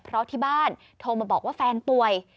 เพราะที่บ้านโทรมาบอกว่าแฟนป่วย